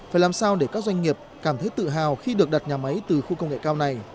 phải làm sao để các doanh nghiệp cảm thấy tự hào khi được đặt nhà máy từ khu công nghệ cao này